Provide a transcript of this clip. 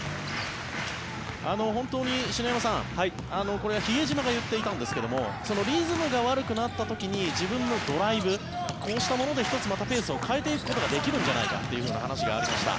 本当に篠山さん、これは比江島が言っていたんですがリズムが悪くなった時に自分のドライブこうしたもので１つまたペースを変えていくことができるんじゃないかという話がありました。